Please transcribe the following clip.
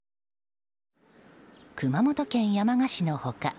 熊本県山鹿市の他